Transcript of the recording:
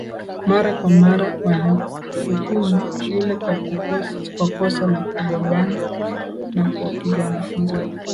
Mara kwa mara walifukuzwa shule kwa kosa la kugombana na kuwapiga wanafunzi wenzao